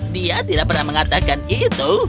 dia tidak pernah mengatakan itu